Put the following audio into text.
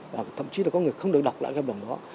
và thậm chí là có người không được đọc lại cái hợp đồng đó